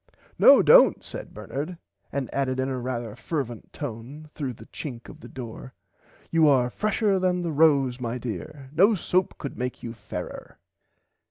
No dont said Bernard and added in a rarther fervent tone through the chink of the door you are fresher than the rose my dear no soap could make you fairer.